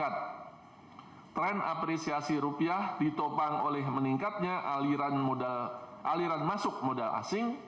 tren apresiasi rupiah ditopang oleh meningkatnya aliran masuk modal asing